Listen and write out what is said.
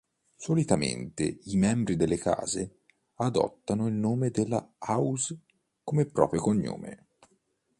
Solitamente i membri delle case adottano il nome della "house" come proprio cognome.